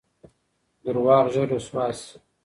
درواغ ژر رسوا سي